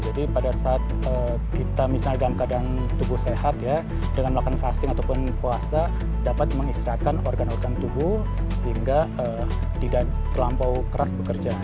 jadi pada saat kita misalnya dalam keadaan tubuh sehat ya dengan melakukan fasting ataupun puasa dapat mengisratkan organ organ tubuh sehingga tidak terlampau keras bekerja